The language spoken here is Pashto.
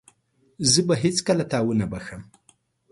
زه به هيڅکله تا ونه بخښم.